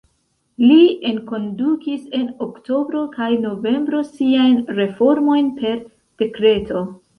Li enkondukis en oktobro kaj novembro siajn reformojn per dekreto.